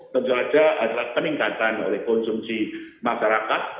dan juga adalah peningkatan oleh konsumsi masyarakat